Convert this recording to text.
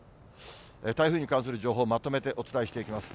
台風に関する情報、まとめてお伝えしていきます。